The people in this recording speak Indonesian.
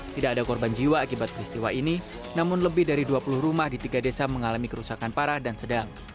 tidak ada korban jiwa akibat peristiwa ini namun lebih dari dua puluh rumah di tiga desa mengalami kerusakan parah dan sedang